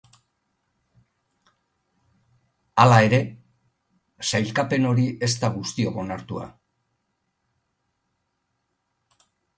Hala ere, sailkapen hori ez da guztiok onartua.